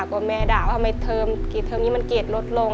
ก็แม่ด่าว่าเทอมกี่เทอมนี้มันเกรดลดลง